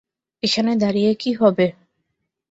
এখানে দাঁড়িয়ে কী হবে?